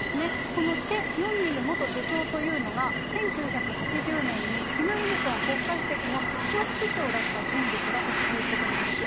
このチェ・ヨンニム元首相というのが、１９８０年に、キム・イルソン国家主席の秘書室長だった人物だということなんです。